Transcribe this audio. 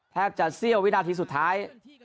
แทบจะเสี้ยววินาทีสุดท้าย